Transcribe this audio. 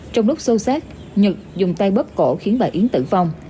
trong lúc sâu sát nhật dùng tay bấp cổ khiến bà yến tử vong